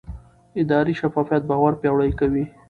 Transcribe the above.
اداري شفافیت باور پیاوړی کوي